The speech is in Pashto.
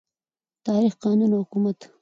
تاریخ، قانون او حکومت